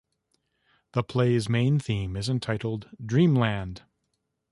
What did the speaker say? The play's main theme is entitled 'Dreamland'.